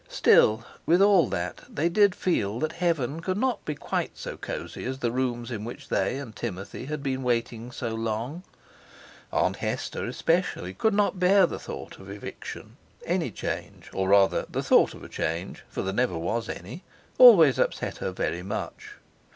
Still, with all that, they did feel that heaven could not be quite so cosy as the rooms in which they and Timothy had been waiting so long. Aunt Hester, especially, could not bear the thought of the exertion. Any change, or rather the thought of a change—for there never was any—always upset her very much.